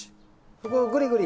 そこをぐりぐり。